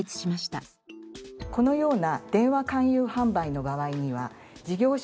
このような。